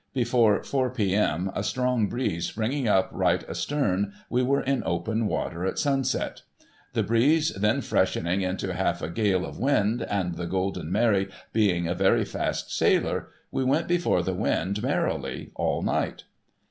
Before four p.m. a strong breeze springing uj) right astern, we were in open water at sunset. The breeze then freshening into half a gale of wind, and the (iolden Mary being a very fast sailer, we went before the wind merrily, all night.